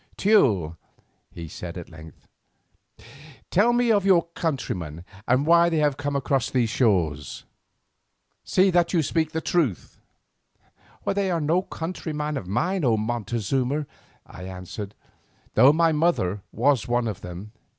"Teule," he said at length, "tell me of your countrymen, and why they have come to these shores. See that you speak truth." "They are no countrymen of mine, O Montezuma," I answered, "though my mother was one of them."